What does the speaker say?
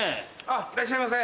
いらっしゃいませ。